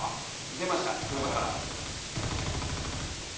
出ました車から。